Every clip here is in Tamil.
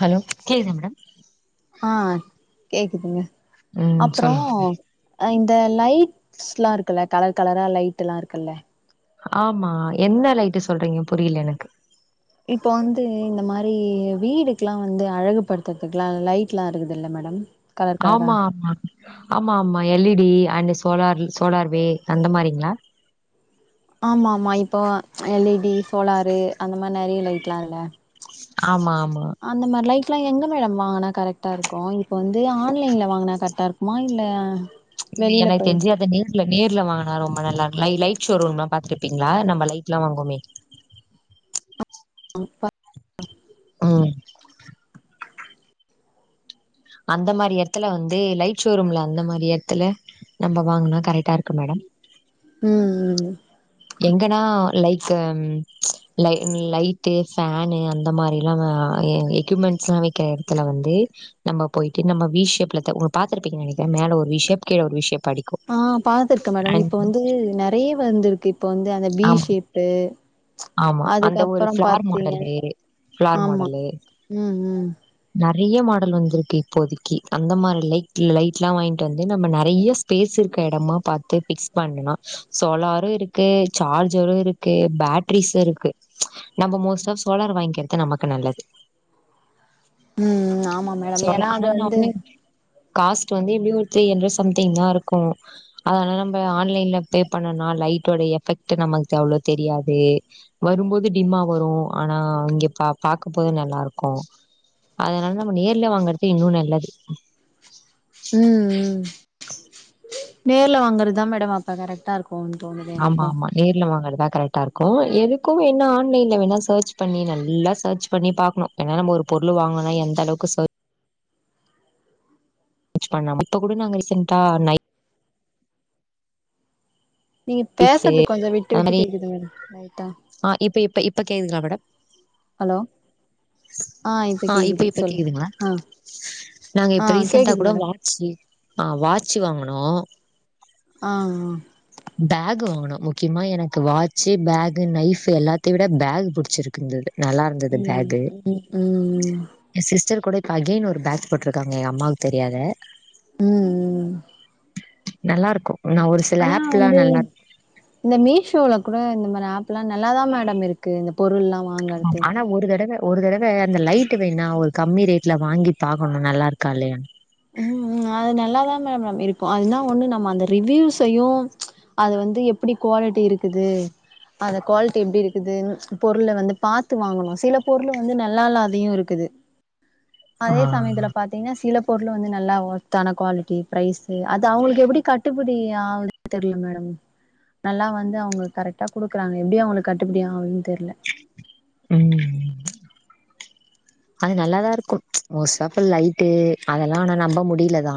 ஹலோ கேக்குதா மேடம் ஆ கேக்குதுங்க ம் அப்றோ சொல்லுங்க அ இந்த லைட்ஸ்லா இருக்குல கலர் கலரா லைட் எல்லா இருக்குல ஆமா, என்ன லைட்டு சொல்றீங்க? புரியல எனக்கு. இப்போ வந்து இந்த மாரி வீடுக்குலா வந்து அழகுப்படுத்துறதுக்குலா லைட் லா இருக்குதுல மேடம் கலர் கலரா ஆமா ஆமா ஆமா ஆமா L E D and solar சோலார்வே அந்த மாரிங்களா? ஆமா ஆமா இப்போ எல் இ டி சோலாரு அந்த மாதிரி நிறைய லைட் லா இல்ல. ஆமா ஆமா அந்த மாதிரி லைட் லா எங்க மேடம் வாங்னா கரெக்ட்டா இருக்கும்? இப்போ வந்து ஆன்லைன்ல வாங்குனா கரெக்ட்டா இருக் குமா இல்ல இல்லீ வெளில எனக்கு போய் தெஞ்சி அத நே ர்ல நேர்ல வாங்குனா ரொம்ப நல்லா இரு லை லைட் ஷோரூம் லா பாத்துருபீங்களா நம்ம லைட் லா வாங்குவோமே? ம் பா ம் அந்த மாரி எடத்துல வந்து லைட் ஷோரூம்ல அந்த மாரி எடத்துல நம்ம வாங்குனா கரெக்ட்டா இருக்கு மேடம் ம் ம் எங்கன்னா லைக்ஸ் ம் லை லைட்டு ஃபேனு அந்த மாரிலா அ எ எக்யூப்மெண்ட்ஸ்லா விக்கிற எடத்துல வந்து நம்ம போயிட்டு நம்ம வீ ஷேப்ல த உங்க பாத்துருப்பீங்கனு நினைக்க மேல ஒரு வீ ஷேப் கீழ ஒரு வீ ஷேப் அடிக்கு ஆ பாத்திருக்கே மேடம் அண்ட் இப்ப வந்து நெறைய வந்திருக்கு இப்ப வந்து அந்த பி ஆமா ஷேப்பு ஆமா அந்த ஒரு அதுக்கப்புறோ ஃப்ளார் பாத்தீங்க மாடலு ஃப்ளார் ஆமா மாடலு ம் ம் நறைய மாடல் வந்திருக்கு இப்போதைக்கு அந்த மாரி லைட் லைட்லா வாங்கிட்டு வந்து நம்ம நறைய ஸ்பேஸ் இருக்க எடமா பாரத்து பிக்ஸ் பண்ணலா சோலாரு இருக்கு சார்ஜரு இருக்கு பேட்ரீஸ்சு இருக்கு நம்ம மோஸ்ட்டா சோலார் வாங்கிக்கிறது நமக்கு நல்லது ம் ம் ஆமா மேடம் சோலா ஏன்னா அது ஆனா வந்து நானு காஸ்ட் வந்து எப்படியு ஒரு த்ரீ ஹன்ட்ரட் சம்திங் தா இருக்கு அதனால நம்ம ஆன்லைன்ல பே பண்ணம்னா லைட்டோட எஃபெக்ட் நமக்கு அவ்ளோ தெரியாது வரும்போது டிம்மா வரு ஆனா இங்க பா பாக்க போது நல்லா இருக்கு அதனால நம்ம நேர்லே வாங்குறது இன்னு நல்லது ம் ம் நேர்ல வாங்குறதுதா மேடம் அப்ப கரெக்ட்டா இருக் கும் தோணுது ஆமா எனக்கும் ஆமா நேர்ல வாங்கறதா கரெக்ட்டா இருக்கு எதுக்கு வேணா ஆன்லைன்ல வேணா சர்ச் பண்ணி நல்லா சர்ச் பண்ணி பாக்கணு ஏனா நம்ம ஒரு பொருள் வாங்குனா எந்த அளவுக்கு சர் சர்ச் பண்ணா இப்ப கூட நாங்க ரீசென்ட்டா நை நீங்க பேசுறது கொஞ்சோ விட்டு அந்த விட்டு மாரி கேட்குதுங்க லைட்டா ஆ இப்ப இப்ப இப்ப கேக்குதுங்களா மேடம் ஹலோ ஆ இப்ப கேக்குது இப்ப சொல்லு கேக்குதுங்களா ஆ நாங்க ஆ இப்ப ரீசெண்டா கேக்குது கூட மேடம் வா ச்சி ஆ வாச்சி வாங்குனோ ஆ அ பேக் வாங்குனோ முக்கிமா எனக்கு வாட்சு பேகு நைஃபு எல்லாத்யு விட பேகு புடிச்சிருக்கு இந்தது நல்லா இருந்தது ம் பேகு ம் ம் ம் என் சிஸ்டர் கூட இப்ப அகெய்ன் ஒரு பேக் போட்ருக்காங்க எ அம்மாக் தெரியாத ம் ம் நல்லா இருக்கு நா ஒரு சில ஆனா ஆப்லா வந்து நல்லா இருக்கு இந்த மீஷோல கூட இந்த மாரி ஆப்லா நல்லாதா மேடம் இருக்கு இந்த பொருள்லா வாங்கறது ஆனா ஒரு தடவ ஒரு தடவ அந்த லைட்டு வேணா ஒரு கம்மி ரேட்ல வாங்கி பாக்கணு நல்லா இருக்கா இல்லையான் ம் ம் அது நல்லாதா மேடம் நம் இருக்கு அதுனா ஒண்ணு நம்ம அந்த ரிவூஸையு அது வந்து எப்டி குவாலிட்டி இருக்குது அத குவால்ட்டி எப்டி இருக்குதுன் பொருள வந்து பாரத்து வாங்கணு சில பொருள வந்து நல்லா இல்லாதியு இருக்குது ஆ அதே சமயத்துல பாத்தீங்ன்னா சில பொருள் வந்து நல்லா ஒர்த்தான குவாலிட்டி பிரைஸு அது அவுங்ளுக்கு எப்பிடி கட்டுப்புடி ஆகுதுன் தெர்ல மேடம் நல்லா வந்து அவுங்க கரெக்ட்டா குடுக்குறாங்க எப்டி அவுங்களுக் கட்டுப்பிடி ஆகுதுன் தெர்ல ம் அது நல்லாதா இருக்கு மோஸ் ஆஃபு லைட்டு அதெல்லா ஆனா நம்ப முடில தா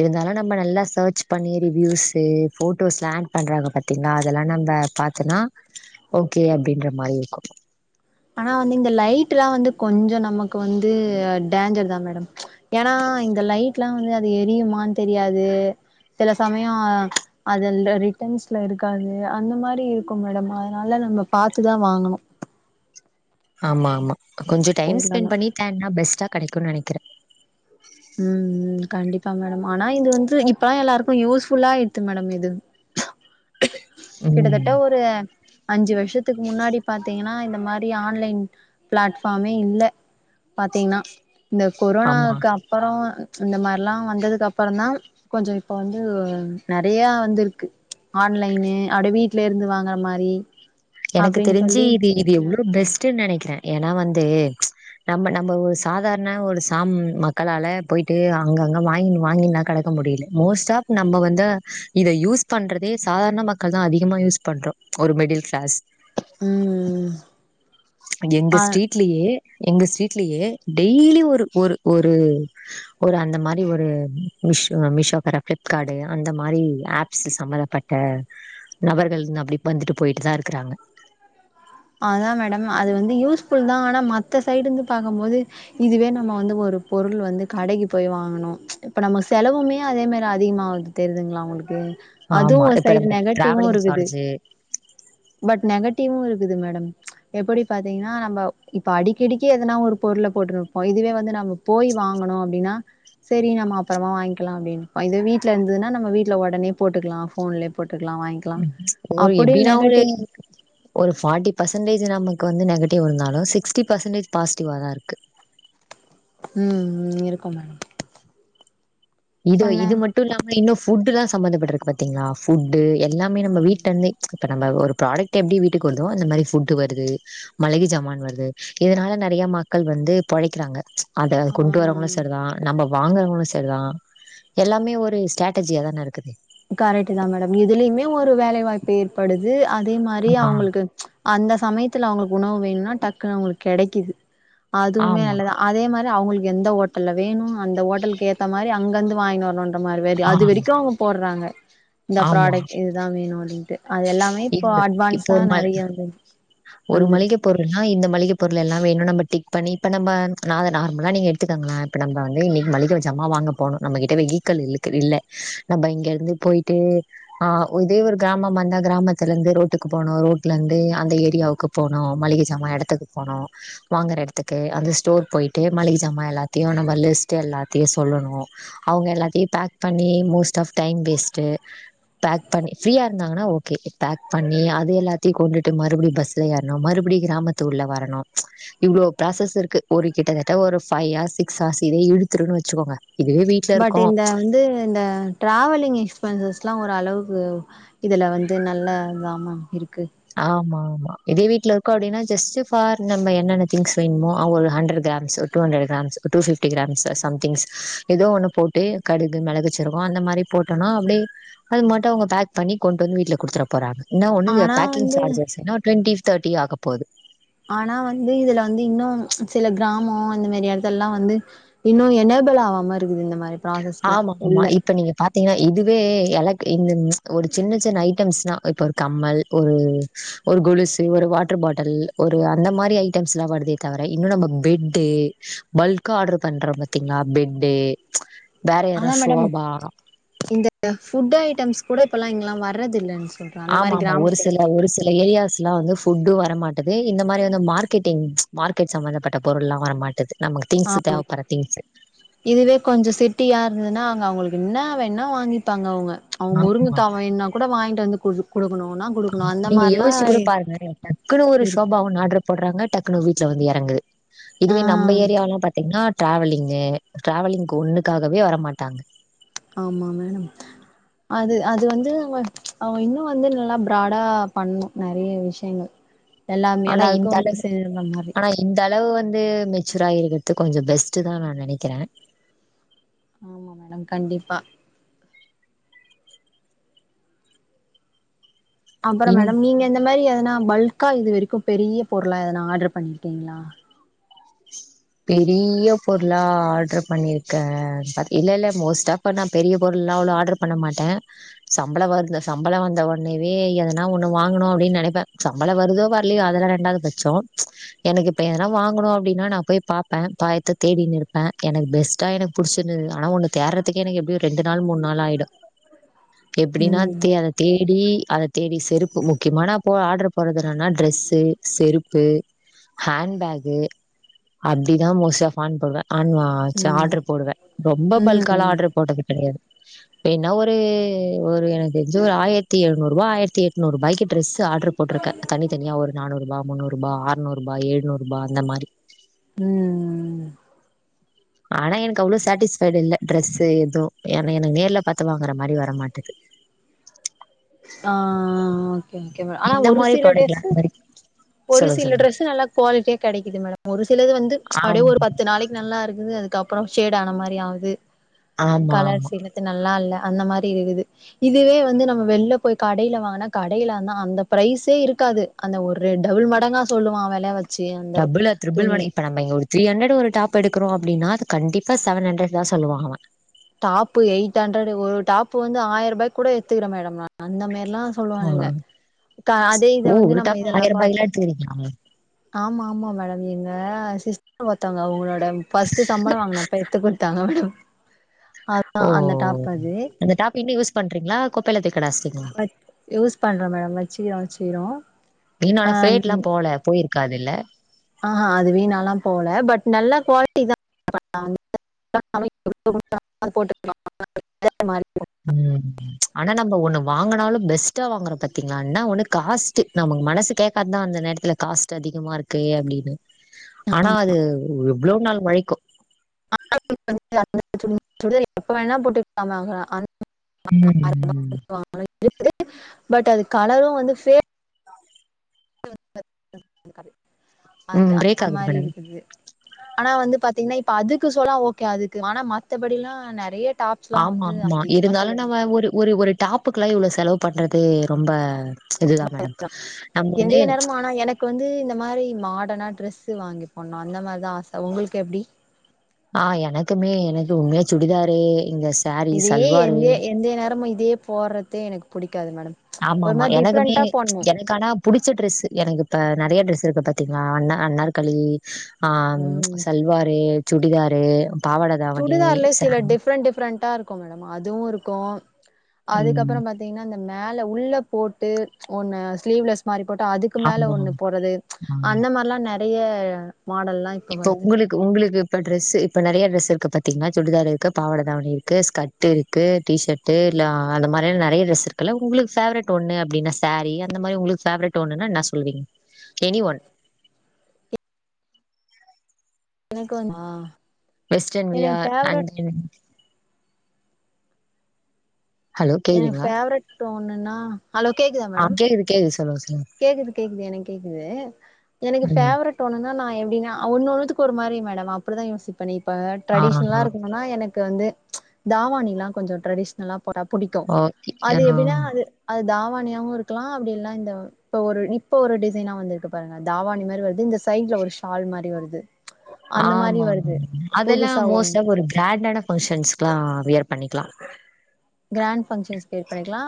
இருந்தாலு நம்ம நல்லா சர்ச் பண்ணி ரிவியூ்ஸு ஃபோட்டோஸ் ஸ்லாங் பண்றாங்க பாத்தீங்ளா அதெல்லா நம்ப பாத் துனா ஓகே அப்டின்ற மாரி இருக்கு ஆனா வந்து இந்த லைட்டுலா வந்து கொஞ்சோ நமக் வந்து டாஞ்சர் தா மேடம் ஏனா இந்த லைட்ல வந்து அது எரியுமான் தெரியாது சில சமையோ அதெல்லா ரிட்டர்ன்ஸ்ல இருக்காது அந்த மாரி இருக்கும் மேடம் அதுனால நம்ம பாத்துதா வாங்கணு ஆமா கொஞ்சோ டைம் ஸ்பெண் பொருளெல்லா பண்ணி தேட்னா பெஸ்ட்டா கெடைக்குன் நெனைக்கிற ம் ம் கண்டிப்பா மேடம் ஆனா இது வந்து இப்பலா எல்லாருக்கு யூஸ்ஃபுல்லாய்ட்டு மேடம் இது கிட்டத்தட்ட ம் ஒரு அஞ்சு வர்ஷத்துக்கு முன்னாடி பாாரத்தீங்கனா இந்த மா ரி ஆன்லைன் பிளாட்ஃபாமே இல்ல பாத்தீங்ன்னா இந்த ஆமா கொரோனாக்கு அப் பறோ இந்த மார்லா வந்ததுக்கப்பறந்தா கொஞ்சோ இப்ப வந்து நெறையா வந்திருக்கு ஆன்லைன்னு அடு வீட்ல இருந்து வாங்கற மாரி எனக்கு அப்டின்னு தெரிஞ்சு சொல்லி இது இது எவ்ளோ பெஸ்ட்டுன் நெனைக்ற ஏனா வந்து நம்ம நம்ம ஒ சாதார்ண ஒரு சாம் மக்களால போய்ட்டு அங்கங்க வாங்கின் வாங்கின்னா கடக்க முடில மோஸ்ட் ஆப் நம்ம வந்து இதை யூஸ் பண்றதே சாதார்ண மக்கள் தா அதிகமா யூஸ் பண்றோ ஒரு மிடில் க்ளாஸ் ம் எங்க ஆ ஸ்ட்ரீட்லியே எங்க ஸ்ட்ரீட்லியே டெய்லி ஒரு ஒரு ஒரு ஒரு அந்த மாரி ஒரு மிஷோ மிஷோகார ஃபிளிப்காடு அந்த மாரி ஆப்ஸ் சம்மதப ட்ட நபர்கள்ன் அப்டி வந்துட்டு போய்ட்டு தா இருக்குறாங்க அதா மேடம் அது வந்து யூஸ்ஃபுல் தா ஆனா மத்த சைடு இருந்து பாக்கமோது இதுவே நம்ம வந்து ஒரு பொருள் வந்து கடைக்கு போய் வாங்கணு இப்ப நம்ம செலவுமே அதே மாரி அதிகுமாகுது தெர்துங்ளா உங்குளுக்கு அதுவ் ஆமா. ஒரு இப்ப சைடு நம்ம நெகடிவ்வு டிராவலிங் இருக்குது சார்ஜு பட் நெகட்டிவு இருக்குது மேடம் எப்படி பாத்தீங்ன்னா நம்போ இப்ப அடிக்கடிக்கி எதனா ஒரு பொருள போட்ருப்போ இதுவே வந்து நம்மோ போய் வாங்குணு அப்டினா சேரி நம்ம அப்புறமா வாய்ங்கிலா அப்டின்னு பய்ந்து வீட்ல இருந்துதுனா நம்ம வீட்ல ஒடனே போட்டுக்லா ஃபோன்லே போட்டுக்லா வாய்ங் லா ஒரு அப்புடியு எப்டின்னா ஒரு நெகட்டிவ் இருக்கு ஒரு ஃபாட்டி பெர்சன்டேஜு நமக் வந்து நெகட்டிவ் இருந்தாலு சிக்ஸ்ட்டி பெர்சன்டேஜ் பாஸ்டிவாதா இருக்கு ம் இருக்கு மேடம் இது சொன்ன இது மட்டு இல்லாம இன்னு ஃபுட்டுலா சமந்தப்பட்ருக்கு பாத்தீங்ளா ஃபுட்டு எல்லாமே நம்ம ஆமா வீட்ல இருந்தே இப்ப நம்ம ஒரு ப்ராடெக்ட் எப்டி வீட்டுக் வருதோ அந்த மாரி ஃபுட்டு வருது மளிகை ஜமான் வருது இதுனால நெறைய மக்கள் வந்து பொழைக்குறாங்க அத ஆ கொண்டு வரறவங்களு சரிதா நம்ம வாங்கறவங்களு சரிதா எல்லாமே ஒரு ஸ்ட்ராட்டஜியா தான இருக்குது கரெக்ட் தா மேடம் இதுலயுமே ஒரு வேலை வாய்ப்பு ஏற்படுது அதே மாரி ஆ அவங்களுக்கு அந்த சமயத்துல அவங்களுக்கு உணவு வேணுனா டக்குனு அவங்களுக்கு கெடைக்குது அதுவுமே ஆமா நல்லதா அதே மாரி அவங்களுக்கு எந்த ஓட்டல்ல வேணு அந்த ஓட்டலுக்கு ஏத்த மாரி அங்கந்து வாங்கினு வரணுன் ற மாரி வேது ஆ அது வரைக்கு அவங்க போட்றாங்க இந்த ஆமா ப்ராடக்ட் இதுதா வேணு அப்டின்ட்டு அது எல்லாமே இப்போ இது இப்போ அட்வான்ஸா ஒரு ம நறைய வந்து ஒரு மளிக வந்திருக்கு பொருள்னா இந்த மளிக பொருள் எல்லா வேணு நாம டிக் பண்ணி இப்ப நம்ம நா அத நார்மலா நீங்க எத்துக்கங்களே இப்ப நம்ப வந்து இன்னிக்கு மள்ளிக ஜாமா வாங்க போணு நம்மகிட்ட வெஹிக்கல் இல்லக்கு இல்ல நம்ப இங்க இருந்து போயிட்டு ஆ ஒ இதே ஒரு கிராமமா இருந்த கிராமத்துல இருந்து ரோட்டுக்கு போனு ரோட்ல இருந்து அந்த ஏ ரியாவுக்கு போனோ மளிக சாம எடத்துக்கு போனோ வாங்குற எடத்துக்கு அந்த ஸ்டோர் போயிட்டு மளிக சாமா எல்லாத்தையு நம்ம லிஸ்ட் எல்லாத்தையு சொல்லணு அவங்க எல்லாத்தையு பேக் பண்ணி most of time waste pack பண்ணி ஃப்ரீயா இருந்தாங்கன்னா ஓகே பேக் பண்ணி அது எல்லாத்தையு கொண்டுட்டு மறுபடியு பஸ் ஸு ஏற்னு மறுபடி கிராமத்து உள்ள வரணு இவ்ளோ ப்ராசஸ் இருக்கு ஒரு கிட்டத்தட்ட ஒரு ஃபை ஹார்ஸ் சிக்ஸ் ஹார்ஸ் இதே இழுத்துருன் வச்சுக்கோங்க இதுவே வீ பட் இந்த வந்து இந்த டிராவலிங் எக்ஸ்பென்சஸ்ல்லா ஒரு அளவுக்கு இதுல வந்து நல்ல தாம இருக்கு ஆமா ஆமா இதே வீட்ல இருக்கு அப்டினா ஜஸ்ட் ஃபார் நம்ம என்ன திங்ஸ் வேணுமோ ஆ ஒரு hundred grams two hundred grams two fifty grams somethings எதோ ஒன்னு போட்டு கடுகு மெளகு சிருக்கு அந்த மாரி போட்டோனா அப்டியே அது மட்டு அவங்க பேக் பண்ணி கொண்டு வந்து வீட்டுல கொடுத்துற போறாங்க இன்னா ஒன்னு எ ஆனா வந்து என்ன ஒரு டிஃப் தேர்ட்டி ஆக போது ஆனா வந்து இதுல வந்து இன்னு சில கிராமோ இந்த மேரி எடத்துலல்லா வந்து இன்னு எனேபிள் ஆவாம இருக்குது இந்த மாரி ப்ராசஸ்லா ஆமா ஆமா உள்ள இ இப்போ நீங்க பாத்தீங்கன்னா இதுவே எலக் இந்தன் ஒரு சின்ன சின்ன ஐட்டம்ஸ்னா இப்போ ஒரு கம்மல் ஒரு ஒரு கொலுசு ஒரு வாட்டர் பாட்டல் ஒரு அந்த மாரி ஐட்டம்ஸ்லா வருதே தவிர இன்னு நம்ம பெட்டு பல்க்கா ஆர்டர் பண்ற பாத்தீங்களா பெட்டு வேற யாரா அதா மேடம் சோபா இந்த ஃபுட் ஐட்டம்ஸ் கூட இப்பொல்லா இங்கல்லா வர்றதுல்லன் ஆமா ஆமா ஒரு சில ஒரு சில ஏரியாஸ்லா வந்து ஃபுட்டு வரமாட்டுது இந்த மாரி வந்து மார்க்கெட்டிங் மார்க்கெட் சம்மந்தப்பட்ட பொருள்லா வர மாட்டுது நமக்கு திங்ஸ் தேவப்பட்ற திங்ஸு இதுவே கொஞ்ச சிட்டியா இருந்ததுன்னா அங்க அவங்களுக்கு என்ன வேண்ணா வாங்கிப்பாங்க அவுங்க அவு ஆமா. முருங்கக்கா வேணுனா கூட வாங்கிட்டு வந்து குடு குடுக்கணுனா நீங்க யோசிச்சு கூட பாருங்களே டக்குன்னு ஒரு இருக்கு சோபா ஒன்னு ஆர்டர் போடுறாங்க டக்குன வீட்ல வந்து எறங்குது இதுவே நம்ம ஆ ஏரியாவல்லா பாத்தீங்கன்னா ட்ராவலிங்கு டிராவலிங்க்கு ஒன்னுக்காகவே வரமாட்டாங்க ஆமா மேடம் அது அது வந்து நம்ம அவ இன்னு வந்து நல்லா பிரோடா பண்ணு நறைய விஷயங்கள் எல்லாமே ஆனா எல்லாருக்கு இந்த வந்து அளவு சேருற மாரி ஆனா இந்த அளவு வந்து மெச்சூர் ஆயிருக்கற்து கொஞ்சொ பெஸ்ட்டு தா நா நெனைக்கிறே ஆமா மேடம் கண்டிப்பா அப்புற இன் மேடம் நீங்க இந்த மாரி எதனா பல்கா இது வரைக்கு பெரிய பொருளா எதனா ஆர்டர் பண்ணிருக்கீங்களா பெரிய பொருளா ஆர்டரு பண்ணியிருக்க பத் இல்ல இல்ல மோஸ்ட்டா இப்ப நா பெரிய பொருள்லா அவ்ளோ ஆர்டர் பண்ண மாட்டே சம்பள வருது சம்பள வந்த ஒட்னேவே எதனா ஒண்ணு வாங்கனு அப்டின்னு நனைப்பே சம் பள வருதோ வர்லையோ அதெல்லா ரெண்டாது பட்சோ எனக்கு இப்ப எதுனா வாங்கணு அப்டின்னா நா போய் பாப்பே பாயத்து தேடினு இருப்பே எனக்கு பெஸ்ட்டா எனக்கு புடிச்சிருந்துது ஆனா ஒன்னு தேட்றதுக் கே எனக்கு எப்டியு ரெண்டு நாள் மூண் நாள் ஆயிடு [unintelligible] எப்டினான் ம் தே அத தேடி அத தேடி செருப்பு முக்கியமானா போ ஆடர் போடுறதுனன்னா ட்ரெஸ்ஸு செருப்பு ஹேண் பேகு அப்டிதா மோசியா ஃபான் போடுவே ஆன்வா ச்ச ம் ஆடர் போடுவே ரொம்ப பல்காலா ம் ஆடர் போட்டது கெடையாது வேன்னா ஒரு ஒரு எனக் தெரிஞ்சு ஒரு ஆயர்த்தி எழ்நூறு ரூபா ஆயர்த்தி எட்நூறு ரூபாய்க்கி ட்ரெஸ்ஸு ஆடர் போட்ருக்க தனி தனியா ஒரு நானூறுபா முன்னூறுபா ஆற்நூறுபா ஏழ்நூறுபா அந்த மாரி உம் ஆனா எனக் அவ்ளோ சாட்டிஸ்ஃபைடு இல்ல டிரெஸு எது ஏன்னா எனக்கு நேர்ல பாத்து வாங்குற மாரி வர மாட்டது ஆ ஓகே ஓகேவா ஆனா இந்த ஒரு மாரி சில ப்ராடக்ட்லா டேஸ்ஸு இது வரைக்கு ஒரு சொல்லுங்க சில சொல்லுங்க டிரரெஸ்ஸு நல்லா க்வாலிட்டியா கெடைக்குது மேடம் ஒரு சிலது வந்து அடியே ஆமா ஒரு பத்து நாளைக் நல்லாருக்குது அதுக்கப்றோ ஷேட் ஆன மாரி ஆவுது ஆமா ஆமா கலர்ஸிலு இது நல்லா இல்ல அந்த மாரி இருக்குது இதுவே வந்து நம்ம வெள்ளப் போய் கடைல வாங்குனா கடைல ஆனா அந்த ப்ரைஸே இருக்காது அந்த ஒரு ரெ டபுள் மடங்கா சொல்லுவா வெலையா வத் சே அந்தவ் துணிய ப்ப நம்ம இங்க ஒரு த்ரீ ஹண்டரட்டு ஒரு டாப் எடுக்குறோ அப்டினா அது கண்டிப்பா செவன் ஹண்டரட் தான் சொல்லுவாகளா டாப்பு எயிட் ஹண்ட்ரட்டு ஒரு டாப்பு வந்து ஆயரூபாய்க்குட எத்துக்கிட மேடம் நா அந்த மேரிலா அவ சொல்லுவானுங்க ட அதே இத வந்து நம்ம இதெல்லா பாத்து தெரியுங்க ஆம் ஆமா மேடம் எங்க சிஸ் ஒத்தவத்தாங்க அவங்களோட ஃபஸ்ட்டு சம்பள வாங்குனப்ப எத்து குடுத்தாங்க மேடம் ஓ அந்த டாப் அது அந்த டாப் இன்னு யூஸ் பண்றீங்களா குப்பைல தூக்கி கடாஸ்டீங்க்ளா யூஸ் பண்ற மேடம் வச்சிய வச்சிரோ நீன் ஆனா ஃபேட்ல்லா போல போயிருக்காது இல்ல ஆஹா அது வீணால்லா போல பட் நல்ல க்வாலிட்டி தா [unintelligible] [unintelligible] அது போட்டுக்லா உம் ஆனா நம்ம ஒண்ணு வாங்கனாலு பெஸ்ட்டா வாங்குற பாத்தீங்களானா ஒண்ணு காஸ் த்து நமக்கு மனசு கேக்காதா அந்த நேரத்துல காஸ்ட் அதிகமாருக் கே அப்டின்னு ஆனா அது எவ்ளோ நாள் ஒழைக்கு [unintelligible] எப்ப வேணுனா போட்டு ம். [unintelligible] [unintelligible] பட் அது கலரு வந்து ஃபே [unintelligible] அது ம். பிரேக் அந்த ஆகுது மாரி மேடம். இருக்குது ஆனா வந்து பாத்தீங்ன்னா இப்ப அதுக்கு சொல்லா ஓகே அதுக்கு ஆனா மத்தபடில்லாம் நெறைய டாப்ஸ்லாம் ஆமா வந்து ஆமா அதிகமா இருந்தாலு சொல்லுவாங்க. நம்ம ஒரு ஒரு ஒரு டாப்புக்குலா இவ்ளோ செலவு பண்றது ரொம்ப இதுதா மேடம் நம்ம வந்து ப்போ வந்து இந்த மாரி மாடனா ட்ரெஸ்ஸு வாங்கி போணு அந்த மாதா ஆச உங்கள்க்கு எப்டி ஆ எனக்குமே எனக்கு உண்மையா சுடிதாரே இந்தஸ் இதையே எந்தே எந்தே நேரமும் இதையே போறதே எனக்கு புடிக்காது மேடம் ஒரு ஆமாமா மாரி எனக்குமே டிஃப்ரெண்டா போடணும். எனக் கனா புடிச்ச ட்ரெஸ் எனக்கு இப்ப நெறையா ட்ரெஸ் இருக்கு பாத்தீங்களா அண்ணா அன்னார்களி ஆம் ம். சல்வாரு சூடதாரு பாவாட தாவணி, சுடிதார்ல சில சாரி டிஃப்ரெண்ட் டிஃப்ரெண்ட்டா இருக்கு மேடம் அதுவு இருக்கு ம். அதுக்கப்பறம் பாத் தீங்கன்னா அந்த மேல உள்ள போட்டு ஒன்னு ஸ்லீவ்லெஸ் மாறி போட்டு அதுக்கு மேல ஆமா, ஒண்ணு போறது ஆ. அந்த மாரிலா நெறைய மாடல்ல்லா இப்ப உங்களுக்கு உங்களுக்கு இப்ப ட்ரெஸ்ஸு இப்ப நெறைய ட்ரெஸ் இருக்கு பாத்தீங்க்னா சுடிதார் இருக்கு பாவட தாவணி இருக்கு ஸ்க்ட் ட்டுருக்கு டி ஷர்ட்டு லா அந்த மாதிரியாம் நிறைய ட்ரெஸ் இருக்குல்ல உங்களுக்குஃபேவரட் ஒன்னு அப்டின்னா சாரீ அந்த மாரி உங்ளுக் ஃபேவரேட் ஒன்னுன்னா என்னா சொல்லுவீங் எனி ஒன் எனக்கு வந் பா வெஸ்டன் வ்யா அன்ஜுவிங் ஹலோ ஏ கேக்குதுங்களா? ஃபேவரெட் டோன்னுன்னா அலோ கேக்குதா மேடம் ஆஹ் கேக்குது கேக்குது சொல்லுங்க சொல்லுங்க கேக்குது கேக்குது எனக்கு கேக்குது எனக்கு ம். ஃபேவரெட் டோன்னுனா நா எப்டினா ஒன் ஒன்னத்துக்கு ஒரு மாரி மேடம் அப்டிதா யோசிப்பே நீ இப்ப ஆ ட்ரெடிஷ்னலா இருக்கனுனா எனக் கு வந்து தாவாணி எல்லா கொஞ்சோ ட்ரெடிஷ்னலா போட்டா புடிக்கு ஓகே. அது ஆ எப்டினா அது அது தாவாணியாவு இருக்கலா அப்டி எல்லா இந்தவ் இப்ப ஒரு இப்ப ஒரு டிசைனா வந்திருக்கு பாருங்க தாவாணி மாரி வருது இந்த சைடுல ஒரு ஷால் மாரி வருது அந்த மாரி ஆமா வருது அதெல்லா புதுசா ஒன்னு மோஸ்ட் ஆ ஒரு கிராண்டான ஃபங்க்ஷன்ல்லா வியர் பண்ணிக்கலா கிராண்ட்ஃபங்கஷன்ஸ்க்கு வியர் பண்ணிக்கலா